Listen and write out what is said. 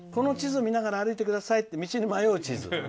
この地図見ながら歩いてくださいって道に迷う地図。